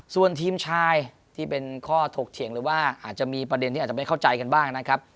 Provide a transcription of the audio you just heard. ส่วนทีมชายที่เป็นข้อถกเถียงหรือว่าอาจจะมีประเด็นที่อาจจะไม่เข้าใจกันบ้างนะครับ